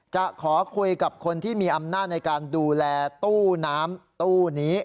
จะขอคุยกับคนที่มีอำนาจในการดูแลตู้น้ำตู้นี้